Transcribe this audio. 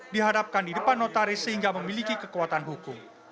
dihadapkan di depan notaris sehingga memiliki kekuatan hukum